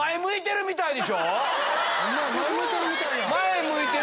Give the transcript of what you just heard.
前向いてるみたい！